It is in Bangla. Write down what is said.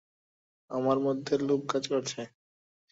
আমার মধ্যে লোভ কাজ করেছে।